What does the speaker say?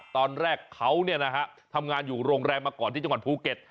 ตอนแรกเขาทำงานอยู่โรงแรมมาก่อนที่จังหวัดภูเก็ต